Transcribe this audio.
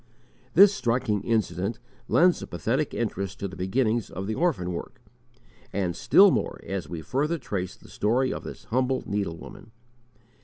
This striking incident lends a pathetic interest to the beginnings of the orphan work, and still more as we further trace the story of this humble needlewoman.